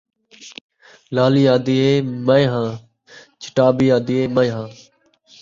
لالی آہدی ہے میں ہاں ، چٹابی آہدی ہے میں ہاں